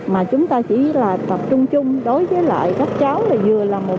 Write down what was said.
mà chúng ta chỉ là tập trung chung đối với lại các cháu là vừa là một